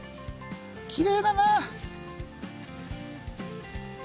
きれいだな！